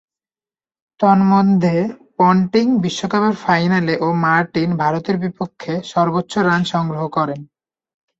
তন্মধ্যে পন্টিং বিশ্বকাপের ফাইনালে ও মার্টিন ভারতের বিপক্ষে সর্বোচ্চ রান সংগ্রহ করেন।